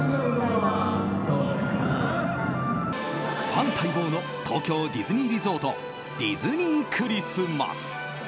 ファン待望の東京ディズニーリゾートディズニー・クリスマス。